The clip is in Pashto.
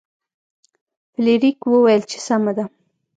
فلیریک وویل چې سمه ده.